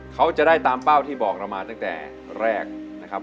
เขาจะได้ตามเป้าที่บอกเรามาตั้งแต่แรกนะครับ